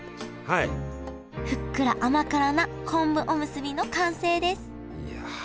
ふっくら甘辛なこんぶおむすびの完成です！